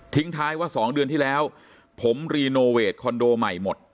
ท้ายว่า๒เดือนที่แล้วผมรีโนเวทคอนโดใหม่หมด